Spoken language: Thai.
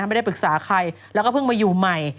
ไม่ได้ปรึกษาใครแล้วก็เพิ่งมาอยู่ใหม่